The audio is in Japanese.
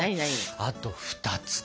あと２つか。